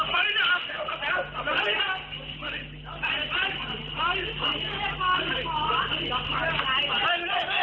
นี่ล่ะค่ะคือภาพจากกล้องวงจรปิดนะคะ